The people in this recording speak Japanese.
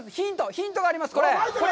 ヒントがあります、これ。